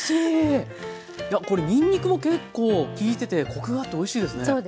いやこれにんにくも結構きいててコクがあっておいしいですね。